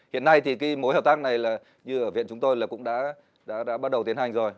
hiện nay thì cái mối hợp tác này là như ở viện chúng tôi là cũng đã bắt đầu tiến hành rồi